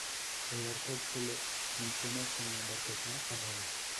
Al arca se la menciona como embarcación o nave.